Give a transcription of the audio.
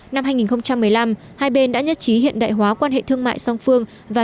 năm hai nghìn một mươi năm hai bên đã nhất trí hiện đại hóa quan hệ thương mại song phương và